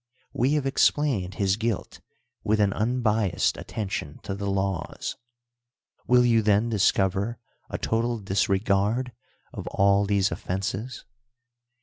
We have explained his guilt with an unbiased attention to the laws; will you then discover a total disregard of all these oifenses?